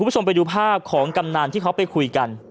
คุณผู้ชมไปดูภาพของกำนันที่เขาไปคุยกัน